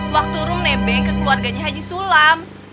waktu room nebeng ke keluarganya haji sulam